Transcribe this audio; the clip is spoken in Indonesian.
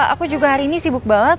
aku juga hari ini sibuk banget